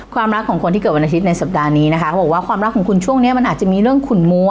ความรักของคนที่เกิดวันอาทิตย์ในสัปดาห์นี้นะคะเขาบอกว่าความรักของคุณช่วงนี้มันอาจจะมีเรื่องขุนมัว